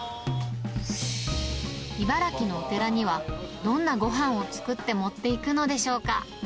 茨城のお寺には、どんなごはんを作って持っていくのでしょうか。